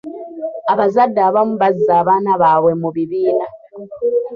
Abazadde abamu bazza abaana baabwe mu bibiina.